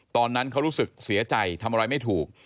ตอนนั้นเขารู้สึกเสียใจทำอะไรไม่ถูก